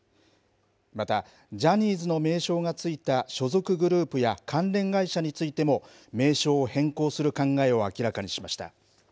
またジャニーズの名称が付いた所属グループや関連会社についても、名称を変更する考えを明らかにしました。